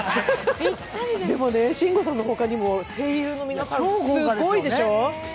でも慎吾さんのほかにも声優の皆さん、すごいでしょ。